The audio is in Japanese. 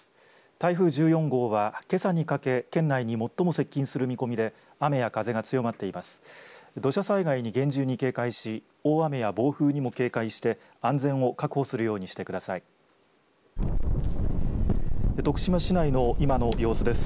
台風１４号は、けさにかけ県内に最も接近する見込みで雨や風が強まっています。